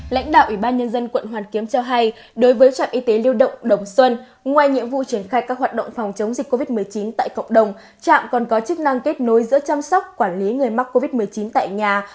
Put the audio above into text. lãnh đạo ủy ban nhân dân quận hoàn kiếm cho hay đối với trạm y tế lưu động đồng xuân ngoài nhiệm vụ triển khai các hoạt động phòng chống dịch covid một mươi chín tại cộng đồng trạm còn có chức năng kết nối giữa chăm sóc quản lý người mắc covid một mươi chín tại nhà